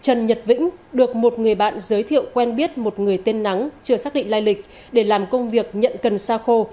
trần nhật vĩnh được một người bạn giới thiệu quen biết một người tên nắng chưa xác định lai lịch để làm công việc nhận cần xa khô